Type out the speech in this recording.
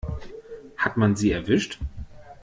Hat man sie erwischt?